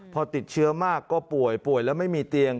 พอติดเชื้อมากก็ป่วยป่วยแล้วไม่มีเตียง